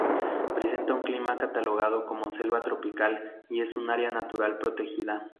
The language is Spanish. Presenta un clima catalogado como selva tropical y es un Área Natural Protegida.